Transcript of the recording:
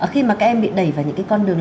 khi mà các em bị đẩy vào những cái con đường